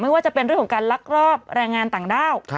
ว่าจะเป็นเรื่องของการลักลอบแรงงานต่างด้าว